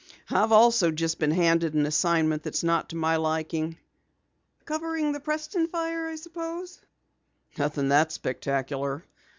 "I've also just been handed an assignment that's not to my liking." "Covering the Preston fire, I suppose." "Nothing that spectacular.